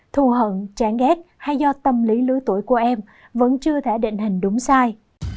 thù hận chán ghét hay do tâm lý lưới tuổi của em vẫn chưa thể định hình đúng sai